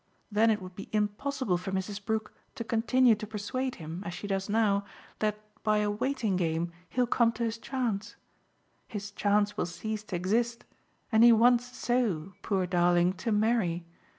Then it would be impossible for Mrs. Brook to continue to persuade him, as she does now, that by a waiting game he'll come to his chance. His chance will cease to exist, and he wants so, poor darling, to marry.